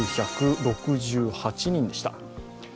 ６９６８人でした。